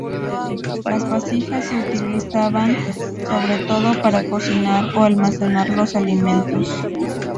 Las vasijas se utilizaban sobre todo para cocinar o almacenar los alimentos.